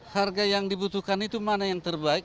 harga yang dibutuhkan itu mana yang terbaik